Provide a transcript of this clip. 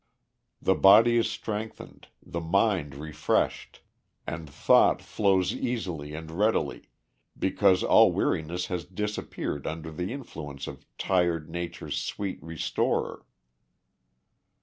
The body is strengthened, the mind refreshed, and thought flows easily and readily, because all weariness has disappeared under the influence of "tired nature's sweet restorer."